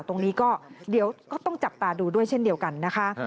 ตรงนี้ก็ต้องจับตาดูด้วยเช่นเดียวกันนะคะ